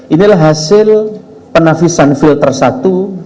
inilah hasil penafisan filter satu